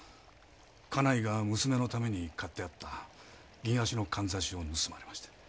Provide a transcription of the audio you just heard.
家内が娘のために買ってあった銀足の簪を盗まれまして。